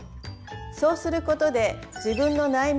そうすることで自分の内面